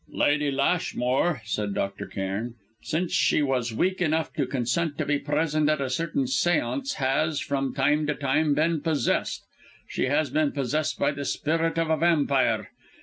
"Lady Lashmore," said Dr. Cairn, "since she was weak enough to consent to be present at a certain séance, has, from time to time, been possessed; she has been possessed by the spirit of a vampire!